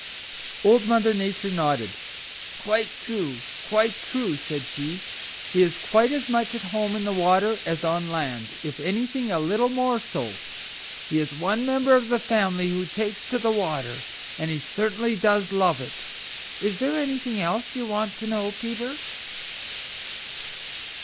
Old Mother Nature nodded. "Quite true. Quite true," said she. "He is quite as much at home in the water as on land, if anything a little more so. He is one member the family who takes to the water, and he certainly does love it. Is there anything else you want to know, Peter?"